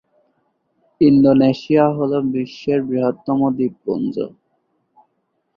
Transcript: Indonesia হল বিশ্বের বৃহত্তম দ্বীপপুঞ্জ।